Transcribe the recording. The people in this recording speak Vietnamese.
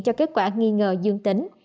cho kết quả nghi ngờ dương tính